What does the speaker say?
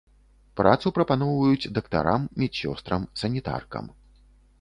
Працу прапаноўваюць дактарам, медсёстрам, санітаркам.